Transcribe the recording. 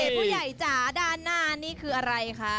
ผู้ใหญ่จ๋าด้านหน้านี่คืออะไรคะ